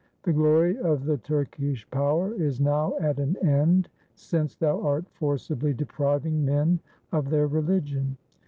The glory of the Turkish power is now at an end since thou art forcibly depriving men of their religion.